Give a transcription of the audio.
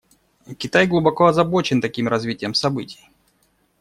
Китай глубоко озабочен таким развитием событий.